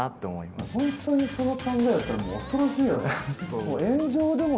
本当にその考えだったらもう恐ろしいよね。